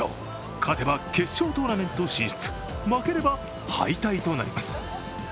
勝てば決勝トーナメント進出、負ければ敗退となります。